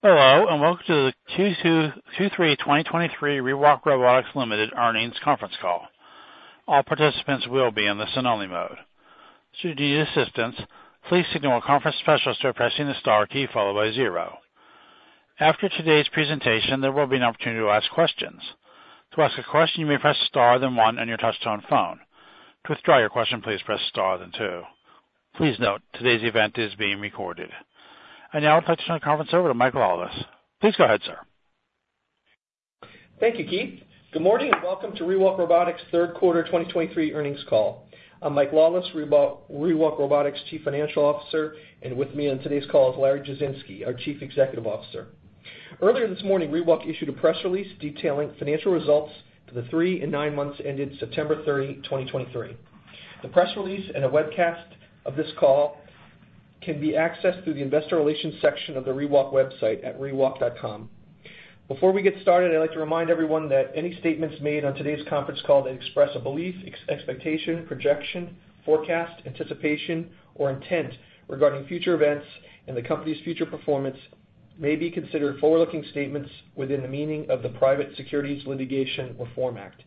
Hello, and welcome to the Q2 2023 ReWalk Robotics Ltd. earnings conference call. All participants will be in the listen-only mode. Should you need assistance, please signal a conference specialist by pressing the star key, followed by zero. After today's presentation, there will be an opportunity to ask questions. To ask a question, you may press star, then one on your touch-tone phone. To withdraw your question, please press star, then two. Please note, today's event is being recorded. I now turn the conference over to Mike Lawless. Please go ahead, sir. Thank you, Keith. Good morning, and welcome to ReWalk Robotics Q3 2023 earnings call. I'm Mike Lawless, ReWalk Robotics' Chief Financial Officer, and with me on today's call is Larry Jasinski, our Chief Executive Officer. Earlier this morning, ReWalk issued a press release detailing financial results for the three and nine months ended September 30, 2023. The press release and a webcast of this call can be accessed through the investor relations section of the ReWalk website at rewalk.com. Before we get started, I'd like to remind everyone that any statements made on today's conference call that express a belief, expectation, projection, forecast, anticipation, or intent regarding future events and the company's future performance may be considered forward-looking statements within the meaning of the Private Securities Litigation Reform Act.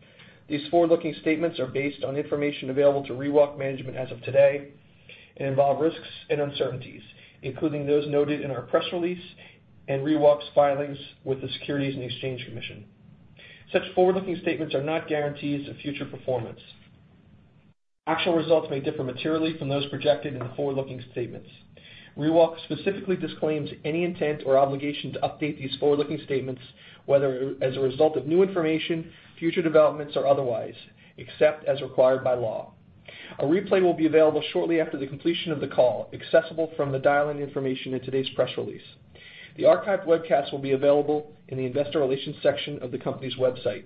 These forward-looking statements are based on information available to ReWalk management as of today and involve risks and uncertainties, including those noted in our press release and ReWalk's filings with the Securities and Exchange Commission. Such forward-looking statements are not guarantees of future performance. Actual results may differ materially from those projected in the forward-looking statements. ReWalk specifically disclaims any intent or obligation to update these forward-looking statements, whether as a result of new information, future developments, or otherwise, except as required by law. A replay will be available shortly after the completion of the call, accessible from the dial-in information in today's press release. The archived webcast will be available in the Investor Relations section of the company's website.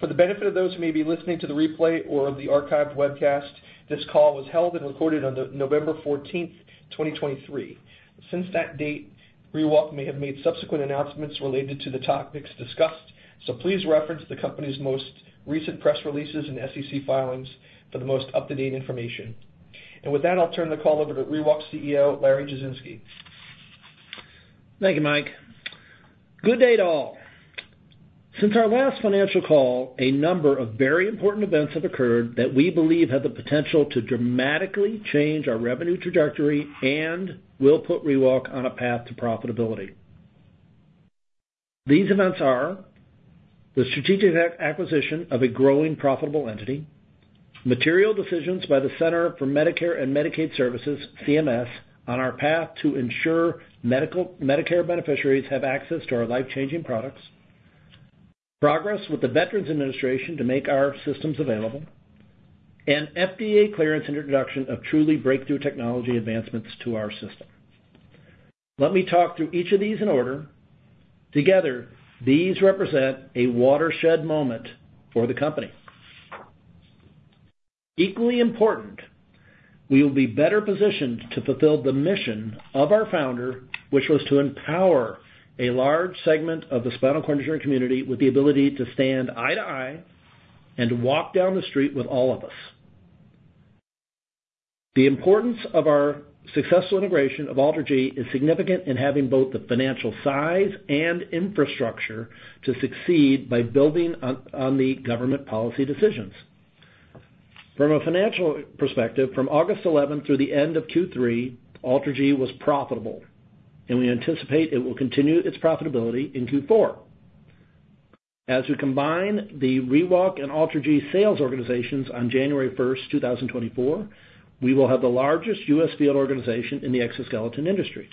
For the benefit of those who may be listening to the replay or the archived webcast, this call was held and recorded on November 14, 2023. Since that date, ReWalk may have made subsequent announcements related to the topics discussed, so please reference the company's most recent press releases and SEC filings for the most up-to-date information. With that, I'll turn the call over to ReWalk's CEO, Larry Jasinski. Thank you, Mike. Good day to all. Since our last financial call, a number of very important events have occurred that we believe have the potential to dramatically change our revenue trajectory and will put ReWalk on a path to profitability. These events are the strategic acquisition of a growing, profitable entity, material decisions by the Centers for Medicare and Medicaid Services, CMS, on our path to ensure Medicare beneficiaries have access to our life-changing products, progress with the Veterans Administration to make our systems available, and FDA clearance introduction of truly breakthrough technology advancements to our system. Let me talk through each of these in order. Together, these represent a watershed moment for the company. Equally important, we will be better positioned to fulfill the mission of our founder, which was to empower a large segment of the spinal cord injury community with the ability to stand eye to eye and walk down the street with all of us. The importance of our successful integration of AlterG is significant in having both the financial size and infrastructure to succeed by building on the government policy decisions. From a financial perspective, from August 11 through the end of Q3, AlterG was profitable, and we anticipate it will continue its profitability in Q4. As we combine the ReWalk and AlterG sales organizations on January 1, 2024, we will have the largest U.S. field organization in the exoskeleton industry.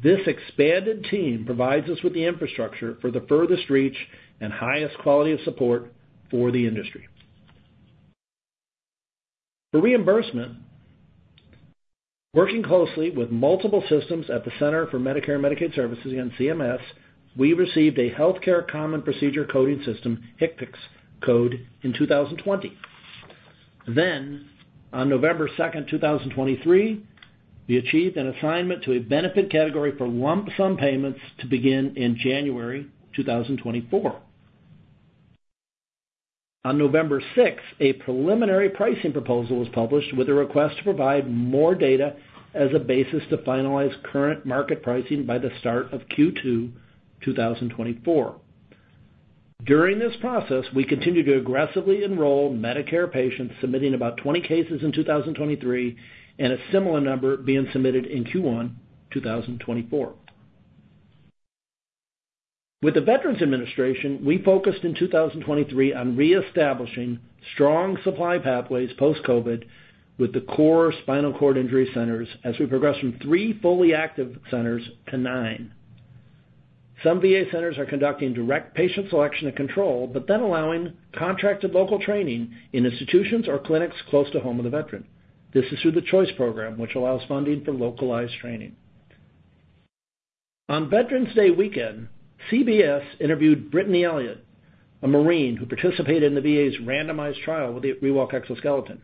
This expanded team provides us with the infrastructure for the furthest reach and highest quality of support for the industry. For reimbursement, working closely with multiple systems at the Centers for Medicare and Medicaid Services, and CMS, we received a Healthcare Common Procedure Coding System, HCPCS, code in 2020. Then, on November 2, 2023, we achieved an assignment to a benefit category for lump sum payments to begin in January 2024. On November 6, a preliminary pricing proposal was published with a request to provide more data as a basis to finalize current market pricing by the start of Q2 2024. During this process, we continued to aggressively enroll Medicare patients, submitting about 20 cases in 2023, and a similar number being submitted in Q1 2024. With the Veterans Administration, we focused in 2023 on reestablishing strong supply pathways post-COVID with the core spinal cord injury centers as we progress from three fully active centers to nine. Some VA centers are conducting direct patient selection and control, but then allowing contracted local training in institutions or clinics close to home of the veteran. This is through the Choice Program, which allows funding for localized training. On Veterans Day weekend, CBS interviewed Brittany Elliott, a Marine who participated in the VA's randomized trial with the ReWalk exoskeleton.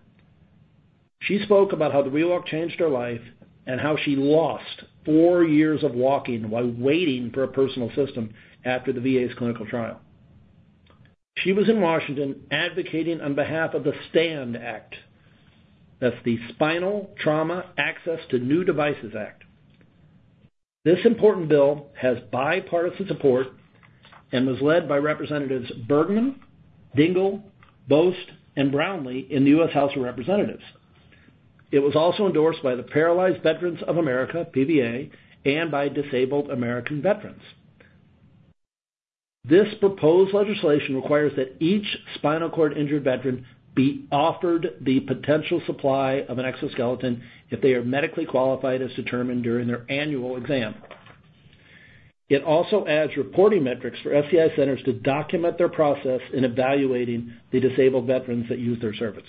She spoke about how the ReWalk changed her life and how she lost four years of walking while waiting for a personal system after the VA's clinical trial. She was in Washington advocating on behalf of the STAND Act, that's the Spinal Trauma Access to New Devices Act. This important bill has bipartisan support and was led by Representatives Bergman, Dingell, Bost, and Brownley in the U.S. House of Representatives. It was also endorsed by the Paralyzed Veterans of America, PVA, and by Disabled American Veterans. This proposed legislation requires that each spinal cord injured veteran be offered the potential supply of an exoskeleton if they are medically qualified, as determined during their annual exam. It also adds reporting metrics for SCI centers to document their process in evaluating the disabled veterans that use their services.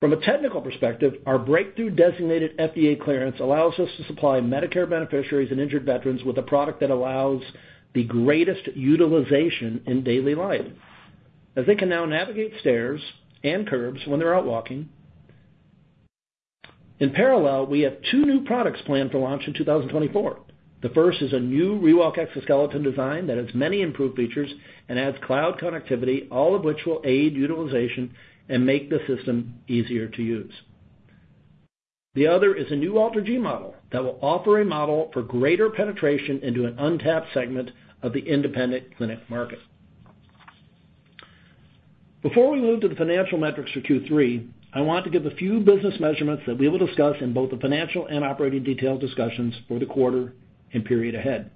From a technical perspective, our breakthrough designated FDA clearance allows us to supply Medicare beneficiaries and injured veterans with a product that allows the greatest utilization in daily life, as they can now navigate stairs and curbs when they're out walking. In parallel, we have two new products planned for launch in 2024. The first is a new ReWalk exoskeleton design that has many improved features and adds cloud connectivity, all of which will aid utilization and make the system easier to use. The other is a new AlterG model that will offer a model for greater penetration into an untapped segment of the independent clinic market. Before we move to the financial metrics for Q3, I want to give a few business measurements that we will discuss in both the financial and operating detail discussions for the quarter and period ahead.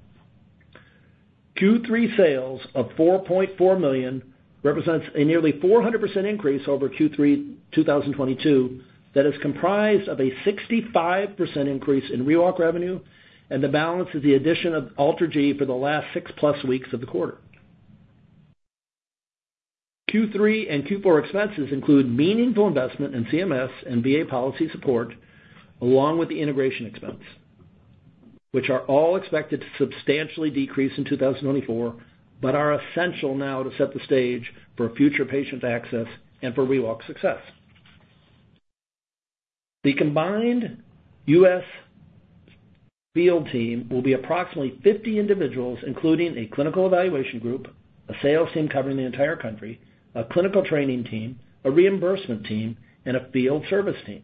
Q3 sales of $4.4 million represents a nearly 400% increase over Q3 2022, that is comprised of a 65% increase in ReWalk revenue, and the balance is the addition of AlterG for the last 6+ weeks of the quarter. Q3 and Q4 expenses include meaningful investment in CMS and VA policy support, along with the integration expense, which are all expected to substantially decrease in 2024, but are essential now to set the stage for future patient access and for ReWalk's success. The combined U.S. field team will be approximately 50 individuals, including a clinical evaluation group, a sales team covering the entire country, a clinical training team, a reimbursement team, and a field service team.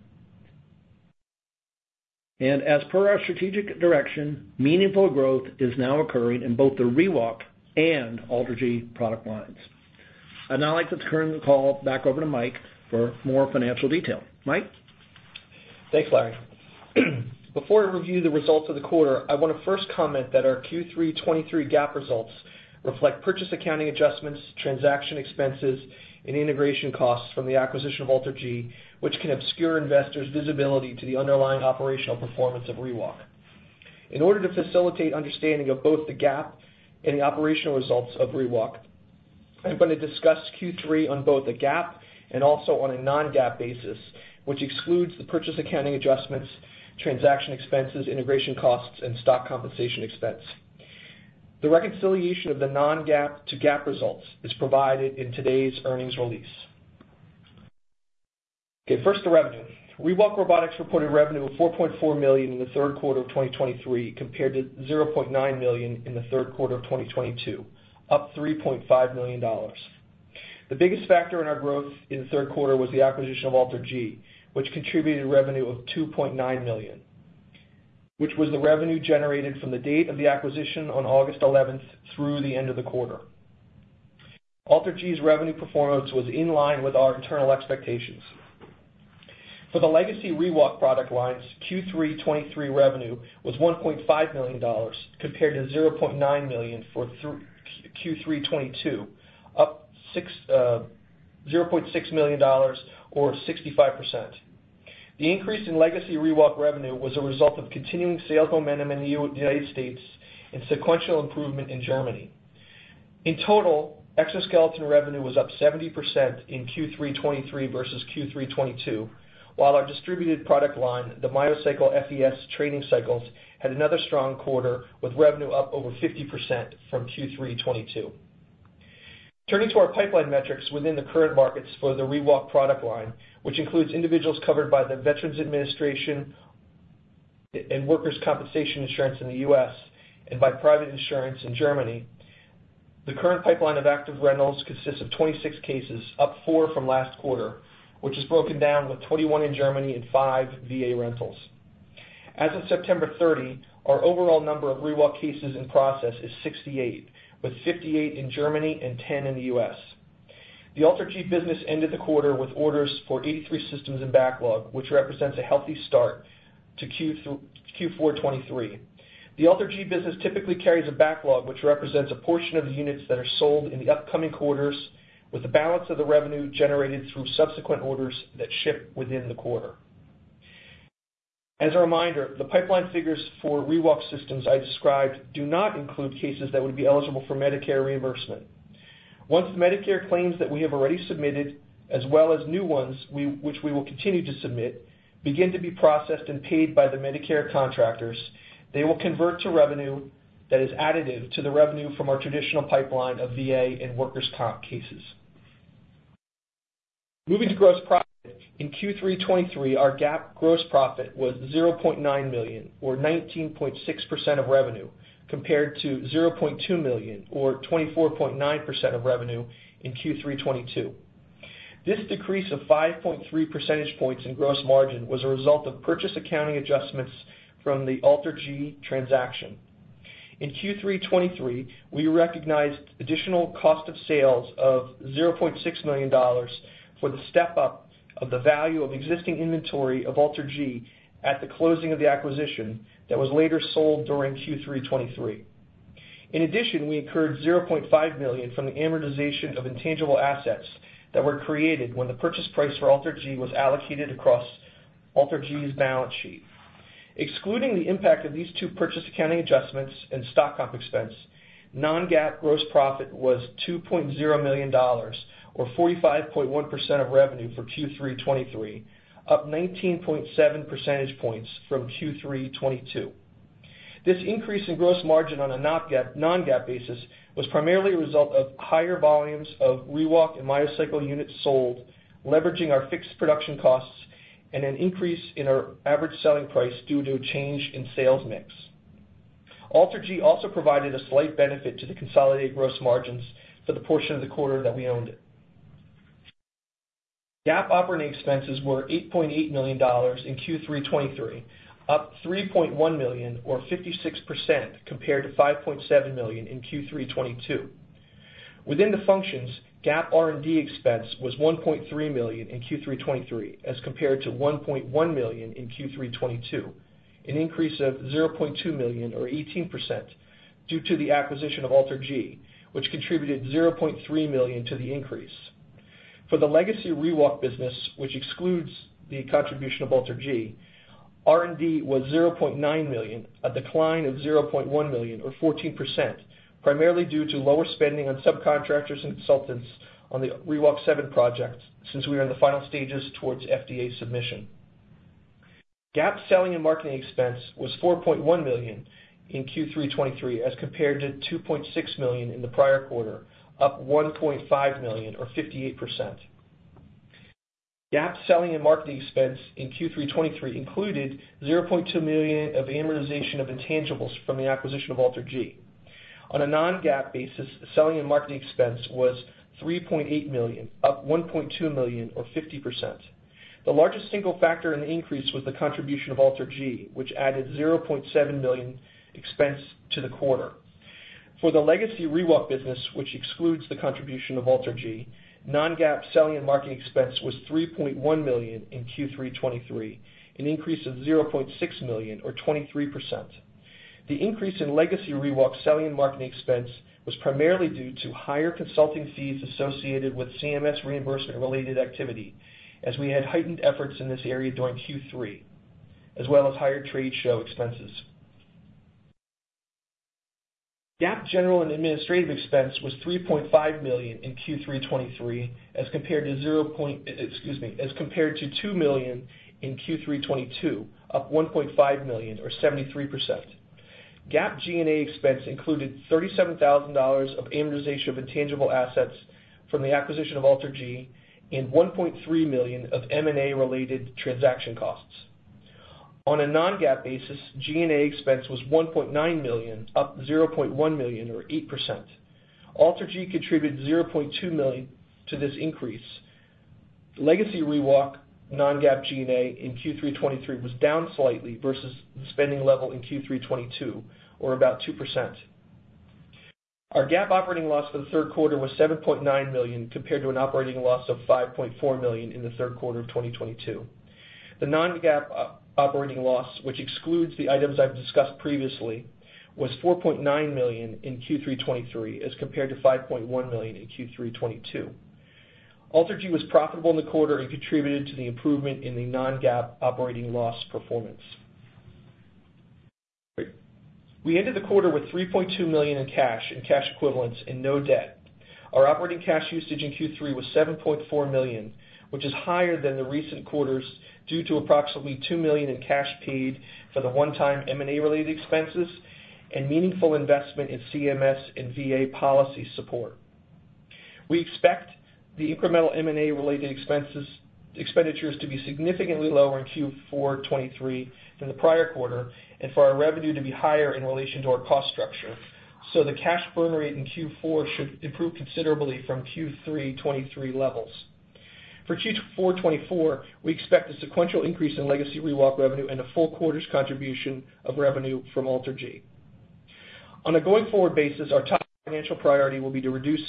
As per our strategic direction, meaningful growth is now occurring in both the ReWalk and AlterG product lines. I'd now like to turn the call back over to Mike for more financial detail. Mike? Thanks, Larry. Before I review the results of the quarter, I want to first comment that our Q3 2023 GAAP results reflect purchase accounting adjustments, transaction expenses, and integration costs from the acquisition of AlterG, which can obscure investors' visibility to the underlying operational performance of ReWalk. In order to facilitate understanding of both the GAAP and the operational results of ReWalk, I'm going to discuss Q3 on both the GAAP and also on a non-GAAP basis, which excludes the purchase accounting adjustments, transaction expenses, integration costs, and stock compensation expense. The reconciliation of the non-GAAP to GAAP results is provided in today's earnings release. Okay, first, the revenue. ReWalk Robotics reported revenue of $4.4 million in the Q3 of 2023, compared to $0.9 million in the Q3 of 2022, up $3.5 million. The biggest factor in our growth in the Q3 was the acquisition of AlterG, which contributed revenue of $2.9 million, which was the revenue generated from the date of the acquisition on August 11 through the end of the quarter. AlterG's revenue performance was in line with our internal expectations. For the legacy ReWalk product lines, Q3 2023 revenue was $1.5 million, compared to $0.9 million for Q3 2022, up $0.6 million or 65%. The increase in legacy ReWalk revenue was a result of continuing sales momentum in the United States and sequential improvement in Germany. In total, exoskeleton revenue was up 70% in Q3 2023 versus Q3 2022, while our distributed product line, the MyoCycle FES training cycles, had another strong quarter, with revenue up over 50% from Q3 2022. Turning to our pipeline metrics within the current markets for the ReWalk product line, which includes individuals covered by the Veterans Administration and Workers' Compensation Insurance in the U.S., and by private insurance in Germany, the current pipeline of active rentals consists of 26 cases, up four from last quarter, which is broken down, with 21 in Germany and five VA rentals. As of September 30, our overall number of ReWalk cases in process is 68, with 58 in Germany and 10 in the U.S. The AlterG business ended the quarter with orders for 83 systems in backlog, which represents a healthy start to Q4 2023. The AlterG business typically carries a backlog, which represents a portion of the units that are sold in the upcoming quarters, with the balance of the revenue generated through subsequent orders that ship within the quarter. As a reminder, the pipeline figures for ReWalk systems I described do not include cases that would be eligible for Medicare reimbursement. Once the Medicare claims that we have already submitted, as well as new ones, we, which we will continue to submit, begin to be processed and paid by the Medicare contractors, they will convert to revenue that is additive to the revenue from our traditional pipeline of VA and workers' comp cases. Moving to gross profit, in Q3 2023, our GAAP gross profit was $0.9 million, or 19.6% of revenue, compared to $0.2 million, or 24.9% of revenue in Q3 2022. This decrease of 5.3 percentage points in gross margin was a result of purchase accounting adjustments from the AlterG transaction. In Q3 2023, we recognized additional cost of sales of $0.6 million for the step-up of the value of existing inventory of AlterG at the closing of the acquisition that was later sold during Q3 2023. In addition, we incurred $0.5 million from the amortization of intangible assets that were created when the purchase price for AlterG was allocated across AlterG's balance sheet. Excluding the impact of these two purchase accounting adjustments and stock comp expense, non-GAAP gross profit was $2.0 million, or 45.1% of revenue for Q3 2023, up 19.7 percentage points from Q3 2022. This increase in gross margin on a non-GAAP basis was primarily a result of higher volumes of ReWalk and MyoCycle units sold, leveraging our fixed production costs and an increase in our average selling price due to a change in sales mix. AlterG also provided a slight benefit to the consolidated gross margins for the portion of the quarter that we owned it. GAAP operating expenses were $8.8 million in Q3 2023, up $3.1 million, or 56% compared to $5.7 million in Q3 2022. Within the functions, GAAP R&D expense was $1.3 million in Q3 2023 as compared to $1.1 million in Q3 2022, an increase of $0.2 million or 18%, due to the acquisition of AlterG, which contributed $0.3 million to the increase. For the legacy ReWalk business, which excludes the contribution of AlterG, R&D was $0.9 million, a decline of $0.1 million, or 14%, primarily due to lower spending on subcontractors and consultants on the ReWalk 7 project since we are in the final stages towards FDA submission. GAAP selling and marketing expense was $4.1 million in Q3 2023, as compared to $2.6 million in the prior quarter, up $1.5 million or 58%. GAAP selling and marketing expense in Q3 2023 included $0.2 million of amortization of intangibles from the acquisition of AlterG. On a non-GAAP basis, selling and marketing expense was $3.8 million, up $1.2 million, or 50%. The largest single factor in the increase was the contribution of AlterG, which added $0.7 million expense to the quarter. For the legacy ReWalk business, which excludes the contribution of AlterG, Non-GAAP selling and marketing expense was $3.1 million in Q3 2023, an increase of $0.6 million or 23%. The increase in legacy ReWalk selling and marketing expense was primarily due to higher consulting fees associated with CMS reimbursement-related activity, as we had heightened efforts in this area during Q3, as well as higher trade show expenses. GAAP general and administrative expense was $3.5 million in Q3 2023, as compared to, excuse me, $2 million in Q3 2022, up $1.5 million or 73%. GAAP G&A expense included $37,000 of amortization of intangible assets from the acquisition of AlterG and $1.3 million of M&A-related transaction costs. On a non-GAAP basis, G&A expense was $1.9 million, up $0.1 million or 8%. AlterG contributed $0.2 million to this increase. Legacy ReWalk non-GAAP G&A in Q3 2023 was down slightly versus the spending level in Q3 2022, or about 2%. Our GAAP operating loss for the Q3 was $7.9 million, compared to an operating loss of $5.4 million in the Q3 of 2022. The non-GAAP operating loss, which excludes the items I've discussed previously, was $4.9 million in Q3 2023, as compared to $5.1 million in Q3 2022. AlterG was profitable in the quarter and contributed to the improvement in the non-GAAP operating loss performance. We ended the quarter with $3.2 million in cash and cash equivalents and no debt. Our operating cash usage in Q3 was $7.4 million, which is higher than the recent quarters, due to approximately $2 million in cash paid for the one-time M&A-related expenses and meaningful investment in CMS and VA policy support. We expect the incremental M&A related expenses to be significantly lower in Q4 2023 than the prior quarter, and for our revenue to be higher in relation to our cost structure. So the cash burn rate in Q4 should improve considerably from Q3 2023 levels. For Q4 2024, we expect a sequential increase in legacy ReWalk revenue and a full quarter's contribution of revenue from AlterG. On a going-forward basis, our top financial priority will be to reduce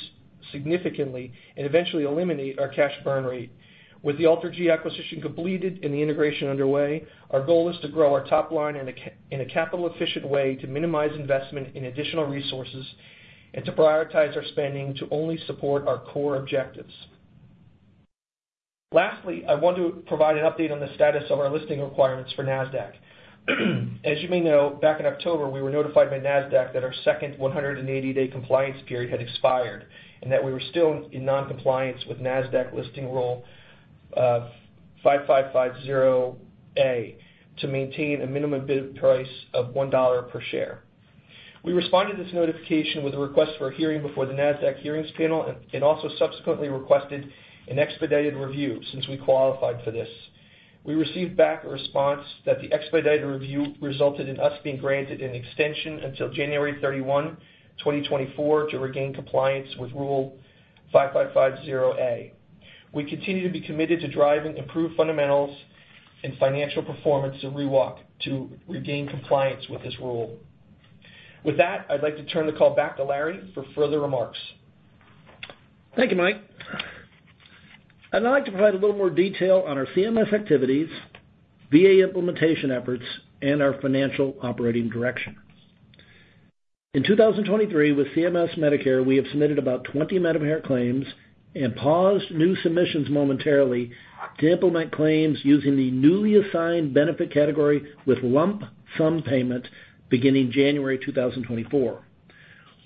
significantly and eventually eliminate our cash burn rate. With the AlterG acquisition completed and the integration underway, our goal is to grow our top line in a capital-efficient way, to minimize investment in additional resources and to prioritize our spending to only support our core objectives. Lastly, I want to provide an update on the status of our listing requirements for Nasdaq. As you may know, back in October, we were notified by Nasdaq that our second 180-day compliance period had expired, and that we were still in non-compliance with Nasdaq Listing Rule 5550(A), to maintain a minimum bid price of $1 per share. We responded to this notification with a request for a hearing before the Nasdaq hearings panel and also subsequently requested an expedited review since we qualified for this. We received back a response that the expedited review resulted in us being granted an extension until January 31, 2024, to regain compliance with Rule 5550A. We continue to be committed to driving improved fundamentals and financial performance of ReWalk to regain compliance with this rule. With that, I'd like to turn the call back to Larry for further remarks. Thank you, Mike. I'd like to provide a little more detail on our CMS activities, VA implementation efforts, and our financial operating direction. In 2023, with CMS Medicare, we have submitted about 20 Medicare claims and paused new submissions momentarily to implement claims using the newly assigned benefit category with lump sum payment beginning January 2024.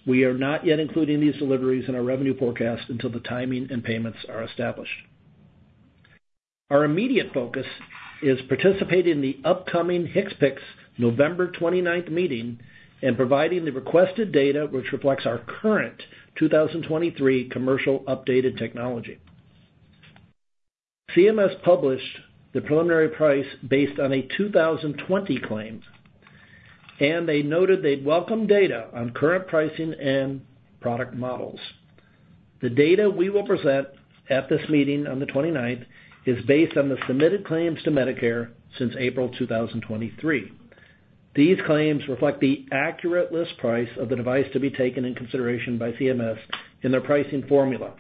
We are not yet including these deliveries in our revenue forecast until the timing and payments are established. Our immediate focus is participating in the upcoming HCPCS November 29th meeting and providing the requested data, which reflects our current 2023 commercial updated technology. CMS published the preliminary price based on a 2020 claim, and they noted they'd welcome data on current pricing and product models. The data we will present at this meeting on the 29th is based on the submitted claims to Medicare since April 2023. These claims reflect the accurate list price of the device to be taken in consideration by CMS in their pricing formula.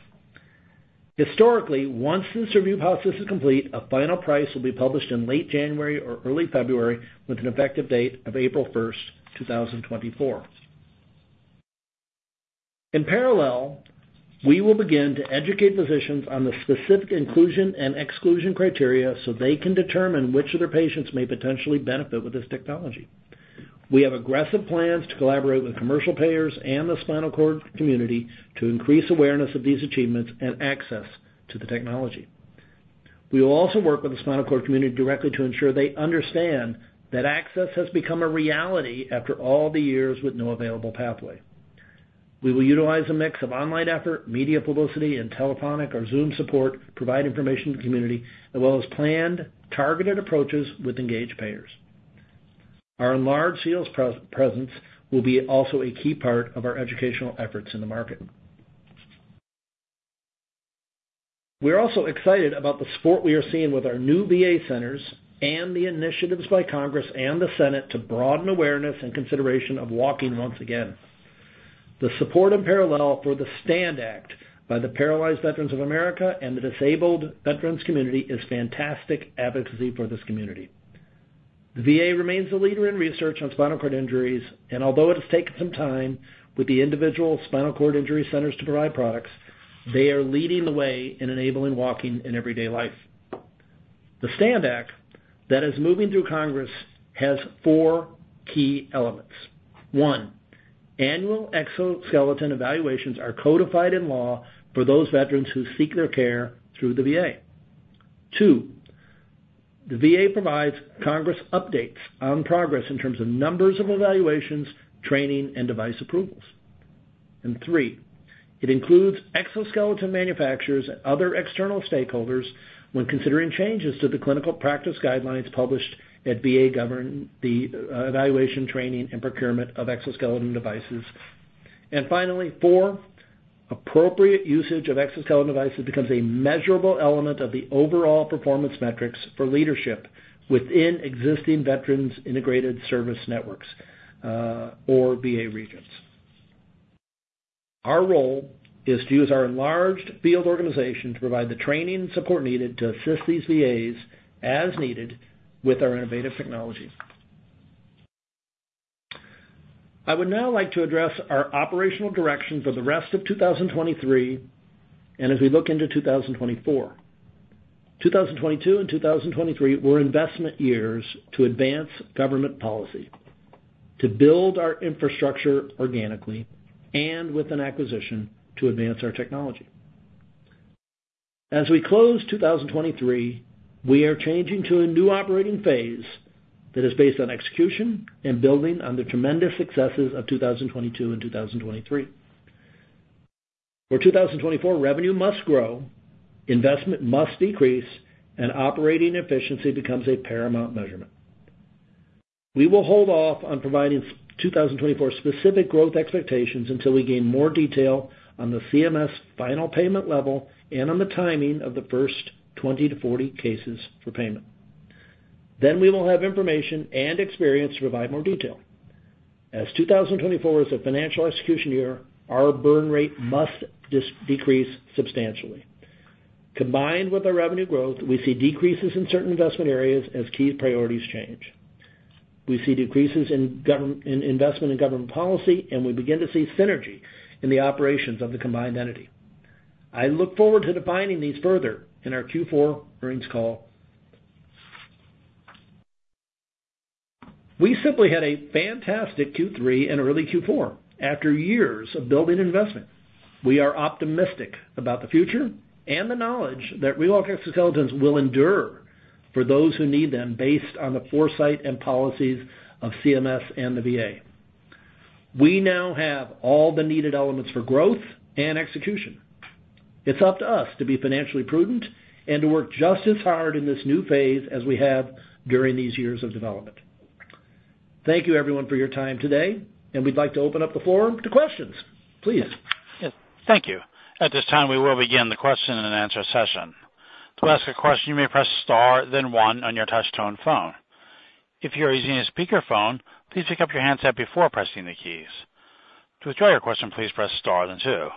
Historically, once this review process is complete, a final price will be published in late January or early February, with an effective date of April 1, 2024. In parallel, we will begin to educate physicians on the specific inclusion and exclusion criteria so they can determine which of their patients may potentially benefit with this technology. We have aggressive plans to collaborate with commercial payers and the spinal cord community to increase awareness of these achievements and access to the technology. We will also work with the spinal cord community directly to ensure they understand that access has become a reality after all the years with no available pathway. We will utilize a mix of online effort, media publicity, and telephonic or Zoom support to provide information to the community, as well as planned, targeted approaches with engaged payers. Our enlarged sales presence will be also a key part of our educational efforts in the market. We are also excited about the support we are seeing with our new VA centers and the initiatives by Congress and the Senate to broaden awareness and consideration of walking once again. The support in parallel for the STAND Act by the Paralyzed Veterans of America and the Disabled Veterans community is fantastic advocacy for this community. The VA remains a leader in research on spinal cord injuries, and although it has taken some time with the individual spinal cord injury centers to provide products, they are leading the way in enabling walking in everyday life. The STAND Act that is moving through Congress has four key elements. One, annual exoskeleton evaluations are codified in law for those veterans who seek their care through the VA. Two, the VA provides Congress updates on progress in terms of numbers of evaluations, training, and device approvals. And three, it includes exoskeleton manufacturers and other external stakeholders when considering changes to the clinical practice guidelines published at VA, the evaluation, training, and procurement of exoskeleton devices. And finally, four, appropriate usage of exoskeleton devices becomes a measurable element of the overall performance metrics for leadership within existing Veterans Integrated Service Networks, or VA regions. Our role is to use our enlarged field organization to provide the training and support needed to assist these VAs as needed with our innovative technologies. I would now like to address our operational direction for the rest of 2023, and as we look into 2024. 2022 and 2023 were investment years to advance government policy, to build our infrastructure organically, and with an acquisition to advance our technology. As we close 2023, we are changing to a new operating phase that is based on execution and building on the tremendous successes of 2022 and 2023. For 2024, revenue must grow, investment must decrease, and operating efficiency becomes a paramount measurement. We will hold off on providing 2024 specific growth expectations until we gain more detail on the CMS final payment level and on the timing of the first 20-40 cases for payment. Then we will have information and experience to provide more detail. As 2024 is a financial execution year, our burn rate must decrease substantially. Combined with our revenue growth, we see decreases in certain investment areas as key priorities change. We see decreases in investment in government policy, and we begin to see synergy in the operations of the combined entity. I look forward to defining these further in our Q4 earnings call. We simply had a fantastic Q3 and early Q4 after years of building investment. We are optimistic about the future and the knowledge that ReWalk exoskeletons will endure for those who need them based on the foresight and policies of CMS and the VA. We now have all the needed elements for growth and execution. It's up to us to be financially prudent and to work just as hard in this new phase as we have during these years of development. Thank you everyone for your time today, and we'd like to open up the forum to questions. Please. Yes, thank you. At this time, we will begin the question and answer session. To ask a question, you may press star, then one on your touch-tone phone. If you are using a speakerphone, please pick up your handset before pressing the keys. To withdraw your question, please press star, then two.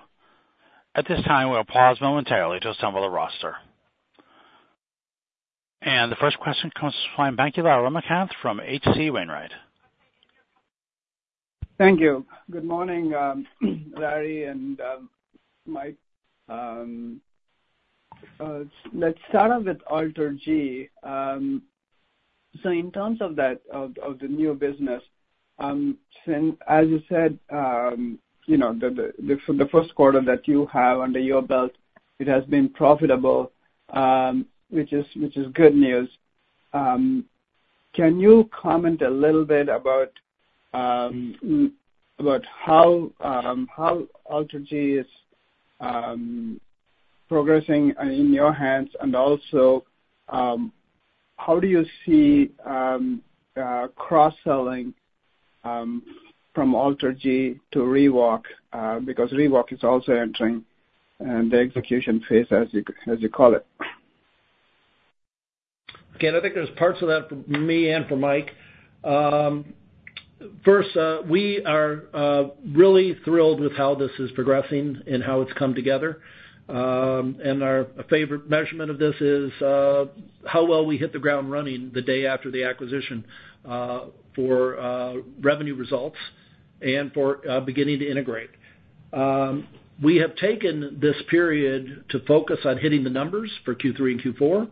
At this time, we'll pause momentarily to assemble the roster. The first question comes from Swayampakula Ramakanth from H.C. Wainwright. Thank you. Good morning, Larry and Mike. Let's start off with AlterG. So in terms of that, of the new business, since, as you said, you know, the Q1 that you have under your belt, it has been profitable, which is good news. Can you comment a little bit about how AlterG is progressing in your hands, and also, how do you see cross-selling from AlterG to ReWalk? Because ReWalk is also entering the execution phase, as you call it. Again, I think there's parts of that for me and for Mike. First, we are really thrilled with how this is progressing and how it's come together. And our favorite measurement of this is how well we hit the ground running the day after the acquisition, for revenue results and for beginning to integrate. We have taken this period to focus on hitting the numbers for Q3 and Q4,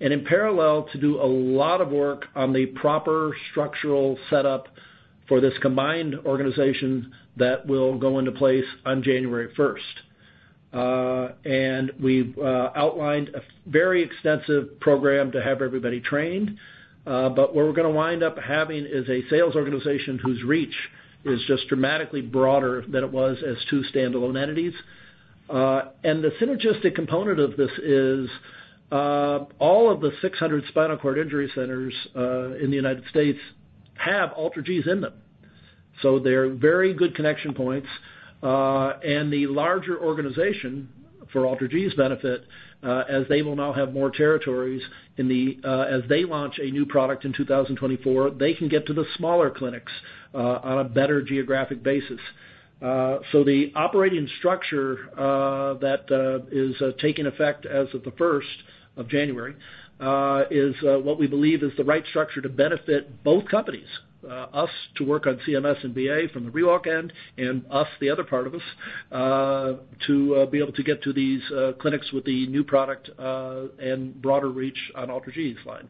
and in parallel, to do a lot of work on the proper structural setup for this combined organization that will go into place on January first. And we've outlined a very extensive program to have everybody trained, but what we're gonna wind up having is a sales organization whose reach is just dramatically broader than it was as two standalone entities. And the synergistic component of this is, all of the 600 spinal cord injury centers in the United States have AlterGs in them, so they're very good connection points. And the larger organization for AlterG's benefit, as they will now have more territories in the, as they launch a new product in 2024, they can get to the smaller clinics on a better geographic basis. So the operating structure that is taking effect as of January 1 is what we believe is the right structure to benefit both companies, us to work on CMS and VA from the ReWalk end, and us, the other part of us, to be able to get to these clinics with the new product and broader reach on AlterG's line.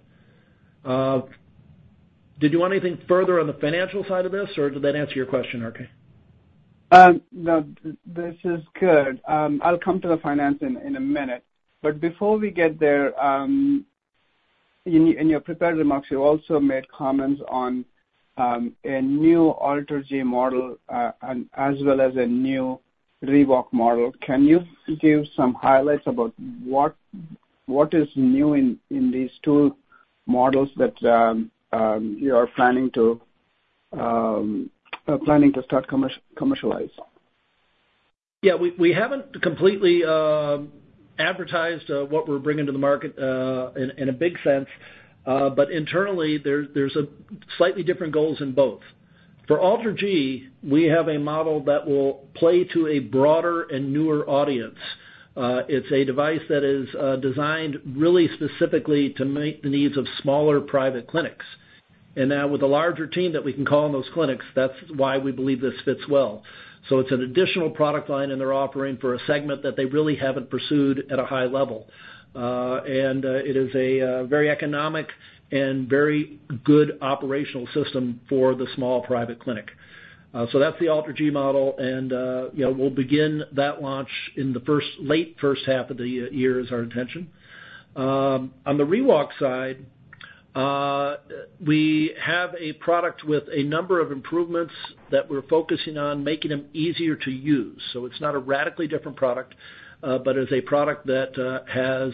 Did you want anything further on the financial side of this, or did that answer your question, R.K.? No, this is good. I'll come to the finance in a minute. But before we get there, in your prepared remarks, you also made comments on a new AlterG model, and as well as a new ReWalk model. Can you give some highlights about what is new in these two models that you are planning to start commercializing? Yeah, we haven't completely advertised what we're bringing to the market in a big sense, but internally, there's a slightly different goals in both. For AlterG, we have a model that will play to a broader and newer audience. It's a device that is designed really specifically to meet the needs of smaller private clinics. And now with a larger team that we can call on those clinics, that's why we believe this fits well. So it's an additional product line, and they're offering for a segment that they really haven't pursued at a high level. And it is a very economic and very good operational system for the small private clinic. So that's the AlterG model, and, you know, we'll begin that launch in the late first half of the year, is our intention. On the ReWalk side, we have a product with a number of improvements that we're focusing on, making them easier to use. So it's not a radically different product, but it's a product that has,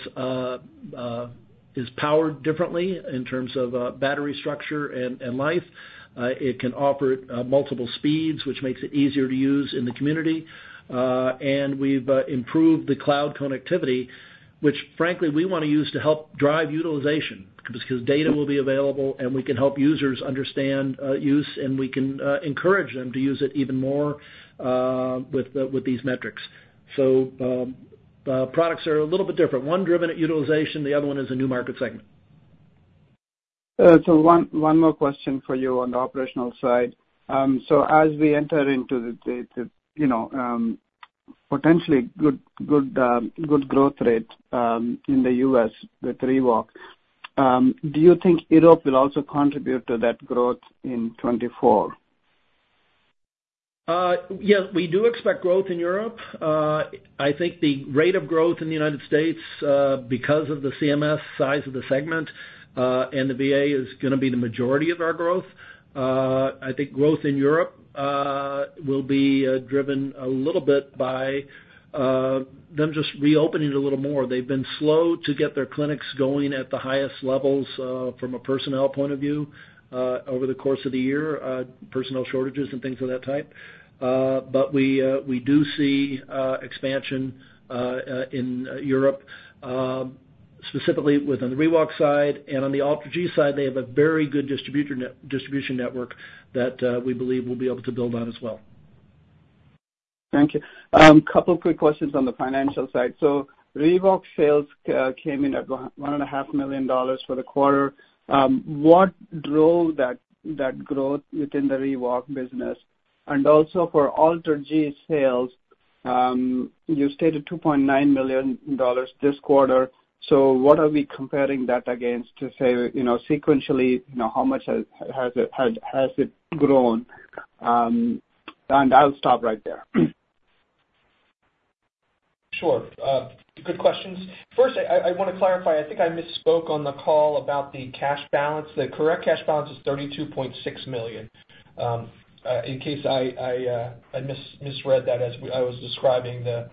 is powered differently in terms of, battery structure and life. It can operate multiple speeds, which makes it easier to use in the community. And we've improved the cloud connectivity, which frankly, we want to use to help drive utilization, because data will be available, and we can help users understand use, and we can encourage them to use it even more, with these metrics. Products are a little bit different. One driven at utilization, the other one is a new market segment. So one more question for you on the operational side. So as we enter into the, the, you know, potentially good growth rate in the U.S. with ReWalk. Do you think Europe will also contribute to that growth in 2024? Yes, we do expect growth in Europe. I think the rate of growth in the United States, because of the CMS size of the segment, and the VA is going to be the majority of our growth. I think growth in Europe will be driven a little bit by them just reopening a little more. They've been slow to get their clinics going at the highest levels, from a personnel point of view, over the course of the year, personnel shortages and things of that type. But we do see expansion in Europe, specifically within the ReWalk side and on the AlterG side, they have a very good distribution network that we believe we'll be able to build on as well. Thank you. Couple of quick questions on the financial side. So ReWalk sales came in at $1.5 million for the quarter. What drove that growth within the ReWalk business? And also for AlterG sales, you stated $2.9 million this quarter. So what are we comparing that against to say, you know, sequentially, you know, how much has it grown? And I'll stop right there. Sure. Good questions. First, I want to clarify, I think I misspoke on the call about the cash balance. The correct cash balance is $32.6 million. In case I misread that as I was describing the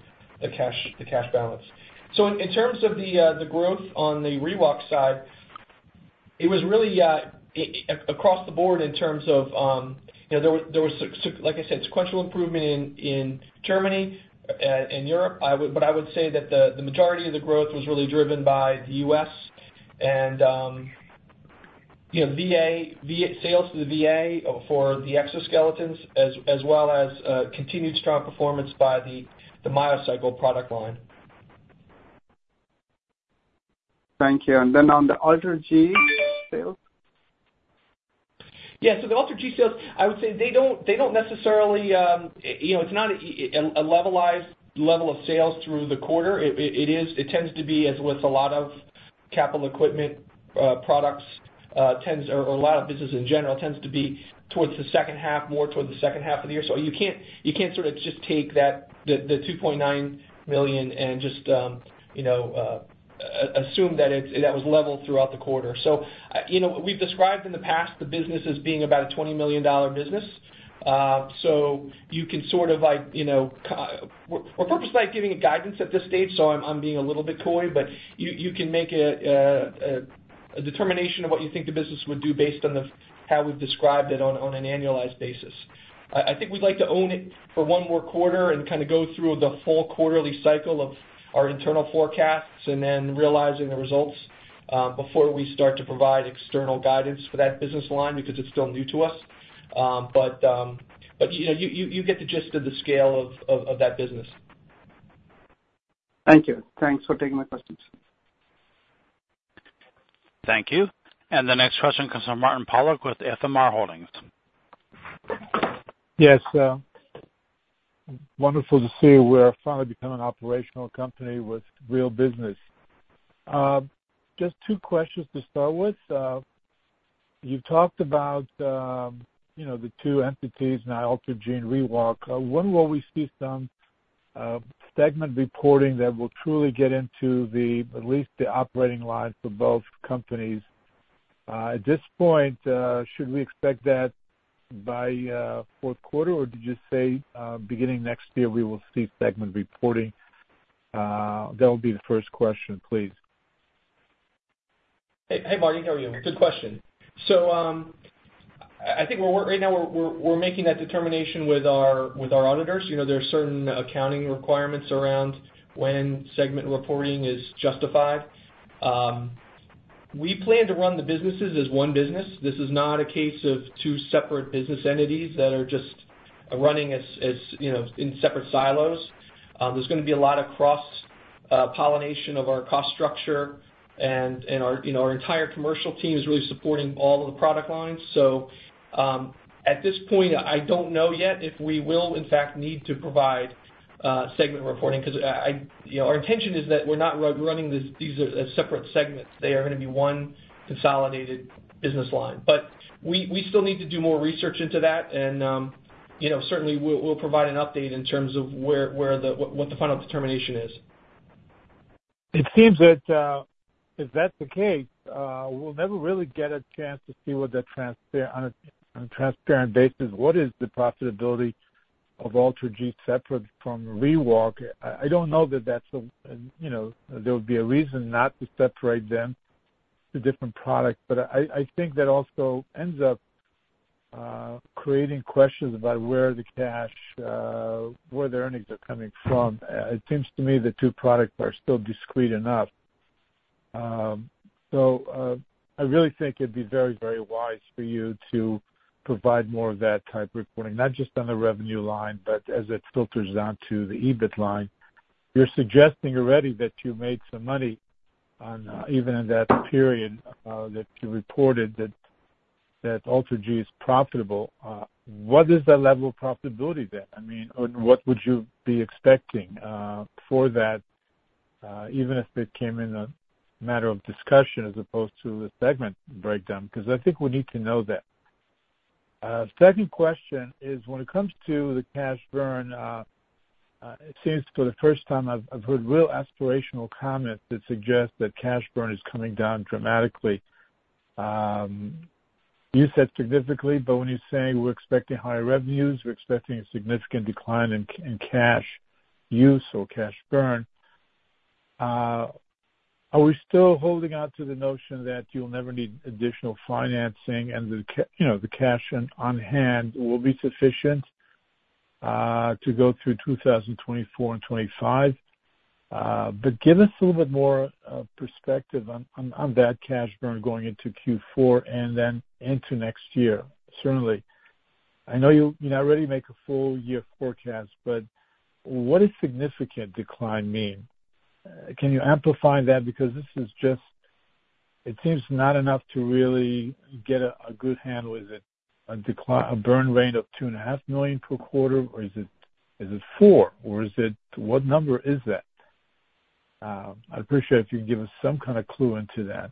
cash balance. So in terms of the growth on the ReWalk side, it was really across the board in terms of, you know, there was like I said, sequential improvement in Germany in Europe. I would but I would say that the majority of the growth was really driven by the U.S. and, you know, VA sales to the VA for the exoskeletons, as well as continued strong performance by the MyoCycle product line. Thank you. And then on the AlterG sales? Yeah. So the AlterG sales, I would say they don't, they don't necessarily, you know, it's not a levelized level of sales through the quarter. It tends to be, as with a lot of capital equipment, products, tends or, or a lot of business in general, tends to be towards the second half, more towards the second half of the year. So you can't, you can't sort of just take that, the, the $2.9 million and just, you know, assume that it, that was leveled throughout the quarter. So, you know, we've described in the past the business as being about a $20 million business. So you can sort of like, you know, we're purposely not giving a guidance at this stage, so I'm being a little bit coy, but you can make a determination of what you think the business would do based on how we've described it on an annualized basis. I think we'd like to own it for one more quarter and kind of go through the full quarterly cycle of our internal forecasts and then realizing the results before we start to provide external guidance for that business line, because it's still new to us. But you know, you get the gist of the scale of that business. Thank you. Thanks for taking my questions. Thank you. The next question comes from Martin Pollack with FMR Holdings. Yes, wonderful to see we're finally become an operational company with real business. Just two questions to start with. You talked about, you know, the two entities, now AlterG and ReWalk. When will we see some segment reporting that will truly get into the, at least the operating lines for both companies? At this point, should we expect that by Q4, or did you say beginning next year, we will see segment reporting? That will be the first question, please. Hey, hey, Martin, how are you? Good question. So, I think we're right now, we're making that determination with our auditors. You know, there are certain accounting requirements around when segment reporting is justified. We plan to run the businesses as one business. This is not a case of two separate business entities that are just running as, you know, in separate silos. There's going to be a lot of cross pollination of our cost structure and our entire commercial team is really supporting all of the product lines. So, at this point, I don't know yet if we will, in fact, need to provide segment reporting, because our intention is that we're not running these as separate segments. They are going to be one consolidated business line. But we still need to do more research into that, and, you know, certainly, we'll provide an update in terms of what the final determination is. It seems that if that's the case, we'll never really get a chance to see, on a transparent basis, what is the profitability of AlterG separate from ReWalk? I don't know that that's, you know, there would be a reason not to separate them to different products, but I think that also ends up creating questions about where the cash, where the earnings are coming from. It seems to me the two products are still discrete enough. So, I really think it'd be very, very wise for you to provide more of that type of reporting, not just on the revenue line, but as it filters down to the EBIT line. You're suggesting already that you made some money, even in that period that you reported that-... that AlterG is profitable, what is the level of profitability then? I mean, or what would you be expecting, for that, even if it came in a matter of discussion as opposed to a segment breakdown? Because I think we need to know that. Second question is when it comes to the cash burn, it seems for the first time, I've, I've heard real aspirational comments that suggest that cash burn is coming down dramatically. You said significantly, but when you say we're expecting higher revenues, we're expecting a significant decline in, in cash use or cash burn, are we still holding on to the notion that you'll never need additional financing and the cash on hand will be sufficient, to go through 2024 and 2025? But give us a little bit more perspective on that cash burn going into Q4 and then into next year, certainly. I know you not ready to make a full year forecast, but what does significant decline mean? Can you amplify that? Because this is just... It seems not enough to really get a good handle. Is it a decline, a burn rate of $2.5 million per quarter, or is it $4 million, or what number is that? I'd appreciate it if you can give us some kind of clue into that.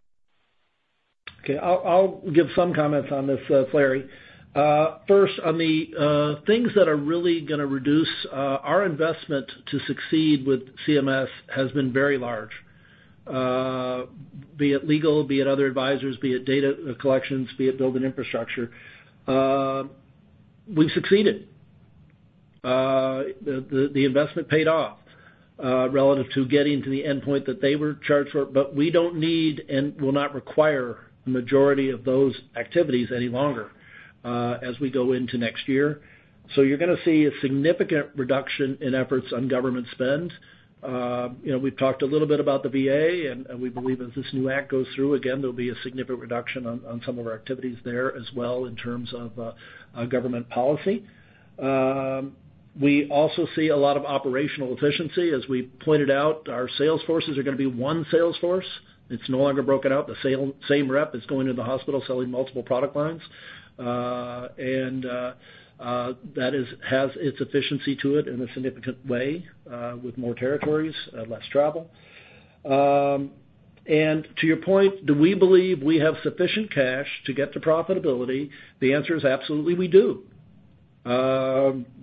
Okay, I'll give some comments on this, Larry. First, on the things that are really gonna reduce our investment to succeed with CMS has been very large, be it legal, be it other advisors, be it data collections, be it building infrastructure. We've succeeded. The investment paid off, relative to getting to the endpoint that they were charged for, but we don't need and will not require the majority of those activities any longer, as we go into next year. So you're gonna see a significant reduction in efforts on government spend. You know, we've talked a little bit about the VA, and we believe as this new act goes through, again, there'll be a significant reduction on some of our activities there as well, in terms of a government policy. We also see a lot of operational efficiency. As we pointed out, our sales forces are gonna be one sales force. It's no longer broken out. The same rep is going into the hospital selling multiple product lines. And that has its efficiency to it in a significant way, with more territories, less travel. And to your point, do we believe we have sufficient cash to get to profitability? The answer is absolutely, we do.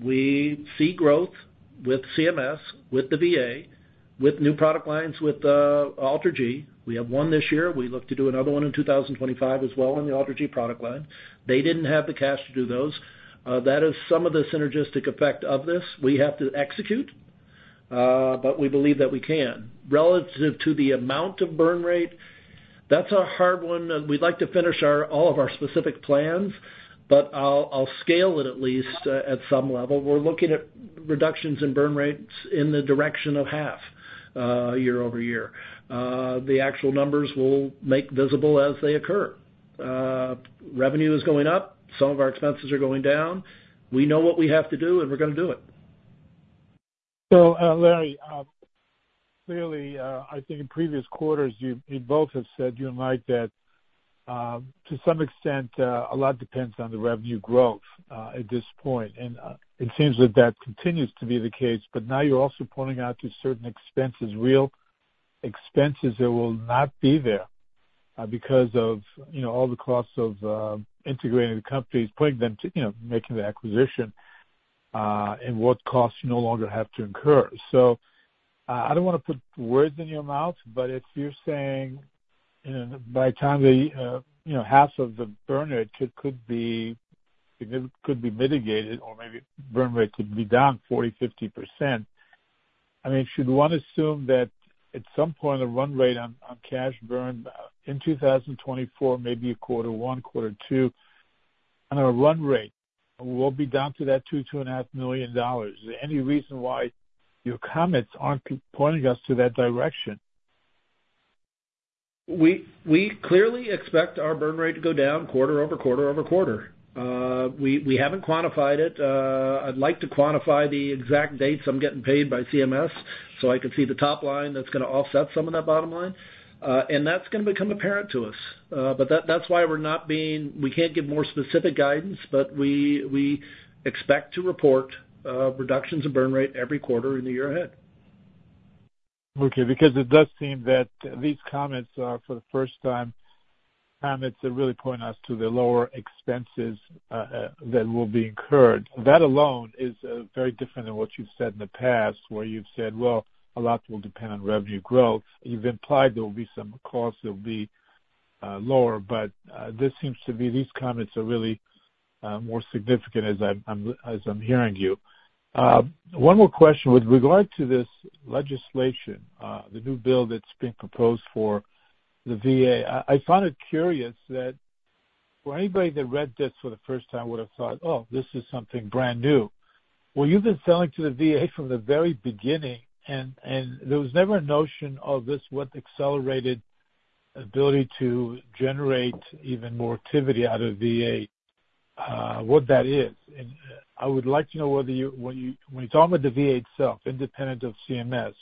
We see growth with CMS, with the VA, with new product lines, with AlterG. We have one this year. We look to do another one in 2025 as well in the AlterG product line. They didn't have the cash to do those. That is some of the synergistic effect of this. We have to execute, but we believe that we can. Relative to the amount of burn rate, that's a hard one, and we'd like to finish our... all of our specific plans, but I'll scale it at least at some level. We're looking at reductions in burn rates in the direction of half year-over-year. The actual numbers we'll make visible as they occur. Revenue is going up, some of our expenses are going down. We know what we have to do, and we're gonna do it. Larry, clearly, I think in previous quarters, you both have said, you and Mike, that to some extent a lot depends on the revenue growth at this point. It seems that that continues to be the case, but now you're also pointing out to certain expenses, real expenses, that will not be there because of, you know, all the costs of integrating the companies, putting them to, you know, making the acquisition, and what costs you no longer have to incur. I don't wanna put words in your mouth, but if you're saying, you know, by the time the, you know, half of the burn rate could, could be, could be mitigated or maybe burn rate could be down 40%-50%, I mean, should one assume that at some point, the run rate on, on cash burn in 2024, maybe Q1, Q2, on a run rate, we'll be down to that $2-$2.5 million? Is there any reason why your comments aren't pointing us to that direction? We clearly expect our burn rate to go down quarter-over-quarter. We haven't quantified it. I'd like to quantify the exact dates I'm getting paid by CMS, so I can see the top line that's gonna offset some of that bottom line. And that's gonna become apparent to us. But that, that's why we're not being. We can't give more specific guidance, but we expect to report reductions in burn rate every quarter in the year ahead. Okay, because it does seem that these comments are, for the first time, comments that really point us to the lower expenses that will be incurred. That alone is very different than what you've said in the past, where you've said, "Well, a lot will depend on revenue growth." You've implied there will be some costs that will be lower, but this seems to be, these comments are really more significant as I'm hearing you. One more question. With regard to this legislation, the new bill that's been proposed for the VA, I find it curious that for anybody that read this for the first time would have thought, "Oh, this is something brand new." Well, you've been selling to the VA from the very beginning, and there was never a notion of this, what accelerated ability to generate even more activity out of VA, what that is. And I would like to know whether you, when you're talking about the VA itself, independent of CMS,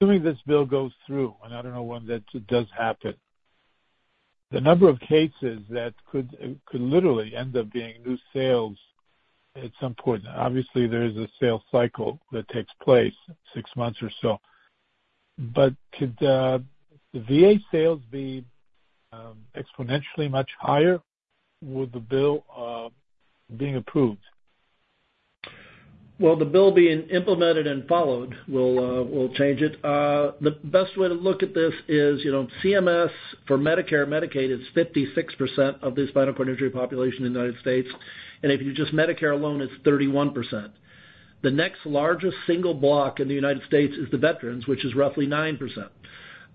assuming this bill goes through, and I don't know when that does happen, the number of cases that could literally end up being new sales at some point. Obviously, there is a sales cycle that takes place, six months or so. Could the VA sales be exponentially much higher with the bill being approved? Well, the bill being implemented and followed will change it. The best way to look at this is, you know, CMS for Medicare, Medicaid is 56% of the spinal cord injury population in the United States, and if you just Medicare alone, it's 31%. The next largest single block in the United States is the veterans, which is roughly 9%.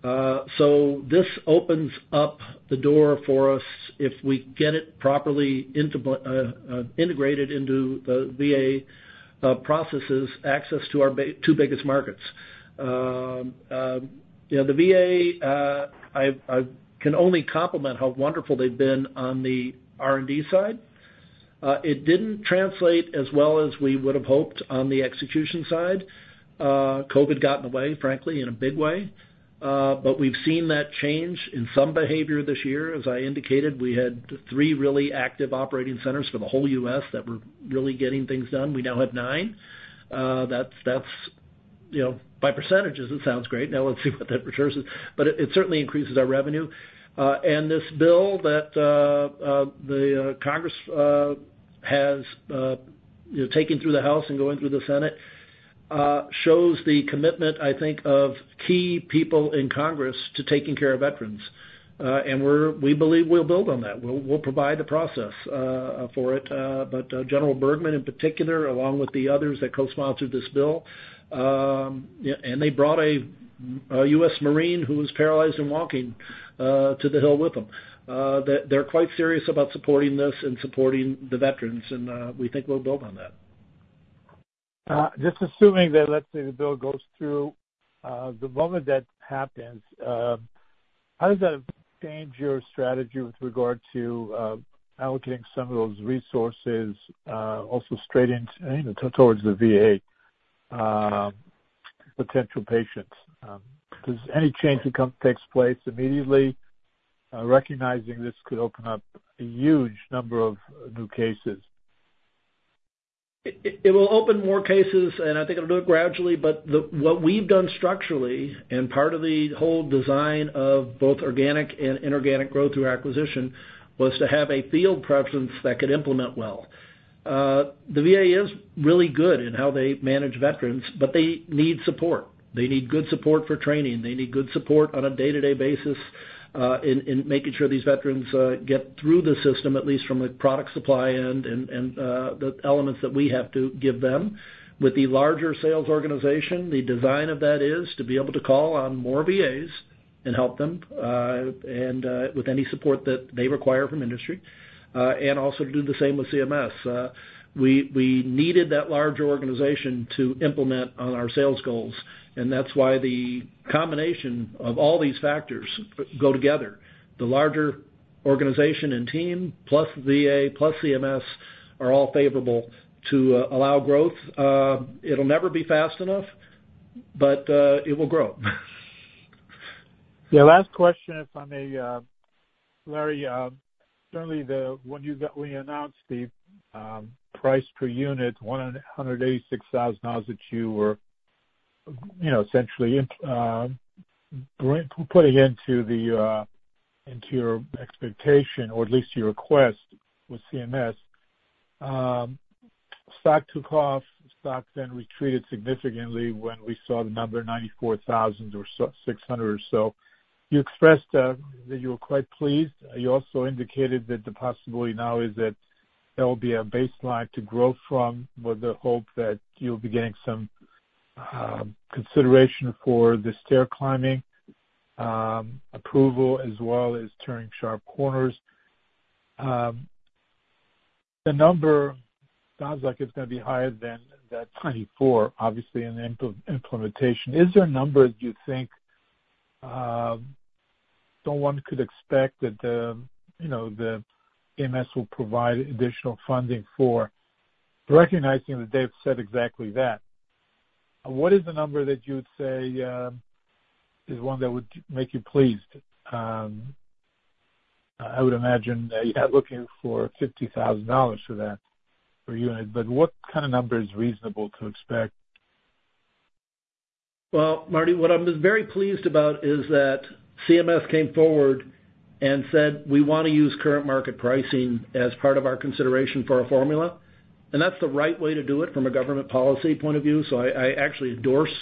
So this opens up the door for us if we get it properly into integrated into the VA processes, access to our two biggest markets. You know, the VA, I can only compliment how wonderful they've been on the R&D side. It didn't translate as well as we would've hoped on the execution side. COVID got in the way, frankly, in a big way, but we've seen that change in some behavior this year. As I indicated, we had three really active operating centers for the whole U.S. that were really getting things done. We now have nine. That's, that's, you know, by percentages, it sounds great. Now, let's see what that returns is, but it, it certainly increases our revenue. And this bill that the Congress has, you know, taken through the House and going through the Senate shows the commitment, I think, of key people in Congress to taking care of veterans. And we're-- we believe we'll build on that. We'll provide the process for it, but General Bergman, in particular, along with the others that co-sponsored this bill, yeah, and they brought a U.S. Marine who was paralyzed and walking to the Hill with them. They, they're quite serious about supporting this and supporting the veterans, and we think we'll build on that. Just assuming that, let's say, the bill goes through, the moment that happens, how does that change your strategy with regard to allocating some of those resources, also straight into, you know, towards the VA potential patients? Does any change that come takes place immediately, recognizing this could open up a huge number of new cases? It will open more cases, and I think it'll do it gradually, but what we've done structurally, and part of the whole design of both organic and inorganic growth through acquisition, was to have a field presence that could implement well. The VA is really good in how they manage veterans, but they need support. They need good support for training. They need good support on a day-to-day basis, in making sure these veterans get through the system, at least from a product supply end and the elements that we have to give them. With the larger sales organization, the design of that is to be able to call on more VAs and help them, with any support that they require from industry, and also to do the same with CMS. We needed that larger organization to implement on our sales goals, and that's why the combination of all these factors go together. The larger organization and team, plus VA, plus CMS, are all favorable to allow growth. It'll never be fast enough, but it will grow. Yeah, last question, if I may, Larry. Certainly, when you announced the price per unit, $186,000, that you were, you know, essentially putting into your expectation, or at least your request with CMS. Stock took off. Stock then retreated significantly when we saw the number $94,600 or so. You expressed that you were quite pleased. You also indicated that the possibility now is that that will be a baseline to grow from, with the hope that you'll be getting some consideration for the stair climbing approval, as well as turning sharp corners. The number sounds like it's gonna be higher than that 2024, obviously, in the implementation. Is there a number that you think, someone could expect that, you know, the CMS will provide additional funding for? Recognizing that they've said exactly that, what is the number that you'd say, is one that would make you pleased? I would imagine that you're not looking for $50,000 for that per unit, but what kind of number is reasonable to expect? Well, Marty, what I'm very pleased about is that CMS came forward and said: We want to use current market pricing as part of our consideration for our formula, and that's the right way to do it from a government policy point of view. So I actually endorse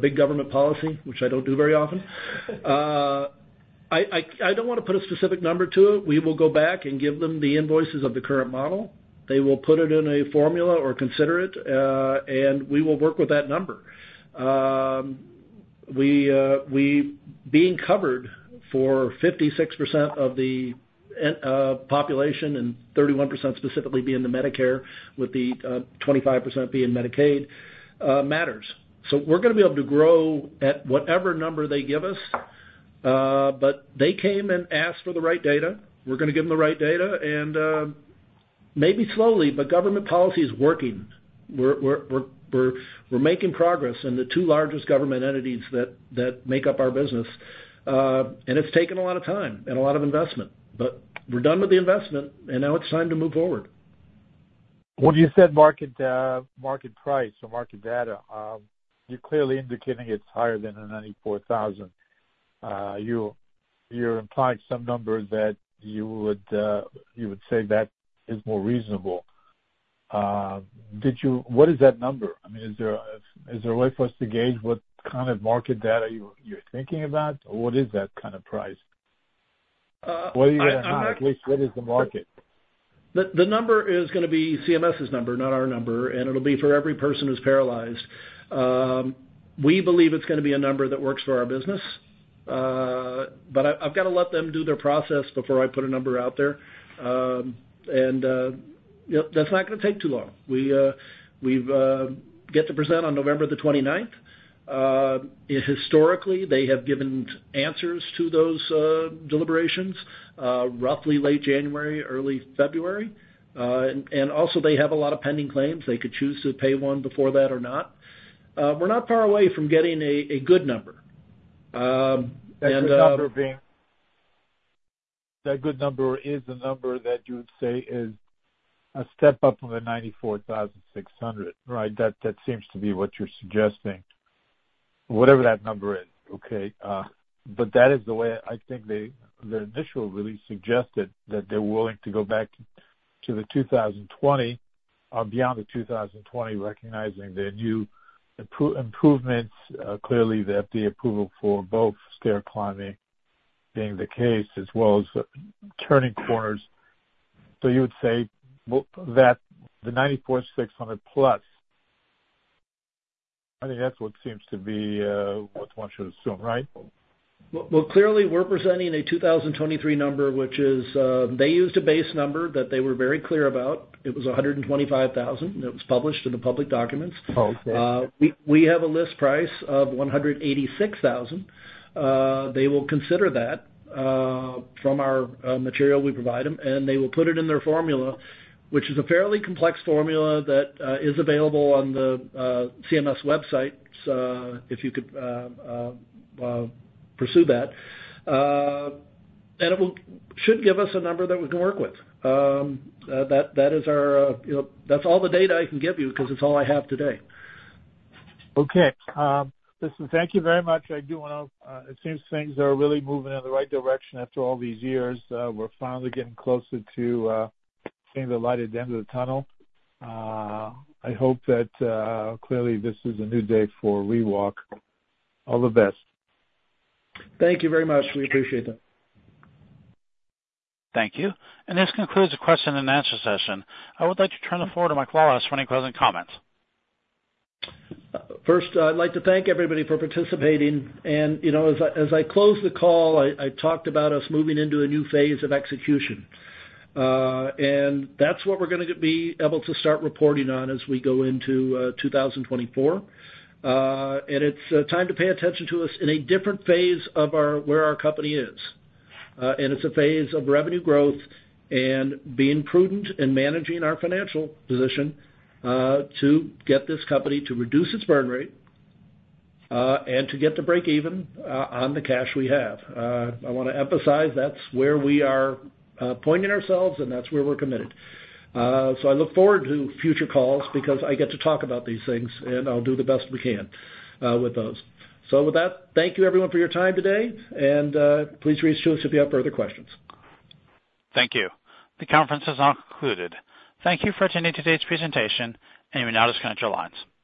big government policy, which I don't do very often. I don't wanna put a specific number to it. We will go back and give them the invoices of the current model. They will put it in a formula or consider it, and we will work with that number. We being covered for 56% of the population and 31%, specifically being the Medicare, with the 25% being Medicaid, matters. We're gonna be able to grow at whatever number they give us, but they came and asked for the right data. We're gonna give them the right data, and maybe slowly, but government policy is working. We're making progress in the two largest government entities that make up our business. It's taken a lot of time and a lot of investment, but we're done with the investment, and now it's time to move forward. When you said market, market price or market data, you're clearly indicating it's higher than the $94,000. You're implying some numbers that you would say that is more reasonable. Did you—what is that number? I mean, is there a way for us to gauge what kind of market data you're thinking about? Or what is that kind of price? What are you going to have? At least, what is the market? The number is gonna be CMS's number, not our number, and it'll be for every person who's paralyzed. We believe it's gonna be a number that works for our business. But I’ve got to let them do their process before I put a number out there. That's not gonna take too long. We’ve got to present on November the 29th. Historically, they have given answers to those deliberations roughly late January, early February. And also, they have a lot of pending claims. They could choose to pay one before that or not. We’re not far away from getting a good number. That good number is the number that you would say is a step up from the 94,600, right? That seems to be what you're suggesting. Whatever that number is, okay? But that is the way I think they-- their initial release suggested that they're willing to go back to the 2020, beyond the 2020, recognizing the new improvements, clearly that the approval for both stair climbing being the case as well as turning corners. So you would say that the 94,600 plus, I think that's what seems to be what one should assume, right? Well, well, clearly, we're presenting a 2023 number, which is, they used a base number that they were very clear about. It was $125,000, and it was published in the public documents. Okay. We have a list price of $186,000. They will consider that, from our material we provide them, and they will put it in their formula, which is a fairly complex formula that is available on the CMS website, if you could pursue that. And it should give us a number that we can work with. That is our, you know... That's all the data I can give you because it's all I have today. Okay. Listen, thank you very much. I do want to. It seems things are really moving in the right direction after all these years. We're finally getting closer to seeing the light at the end of the tunnel. I hope that clearly, this is a new day for ReWalk. All the best. Thank you very much. We appreciate that. Thank you. This concludes the question and answer session. I would like to turn the floor to Mike Lawless for any closing comments. First, I'd like to thank everybody for participating, and, you know, as I close the call, I talked about us moving into a new phase of execution. And that's what we're gonna be able to start reporting on as we go into 2024. And it's time to pay attention to us in a different phase of our company. And it's a phase of revenue growth and being prudent and managing our financial position to get this company to reduce its burn rate, and to get to breakeven on the cash we have. I wanna emphasize that's where we are pointing ourselves, and that's where we're committed. So I look forward to future calls because I get to talk about these things, and I'll do the best we can with those. With that, thank you everyone for your time today, and please reach to us if you have further questions. Thank you. The conference has now concluded. Thank you for attending today's presentation, and you may now disconnect your lines.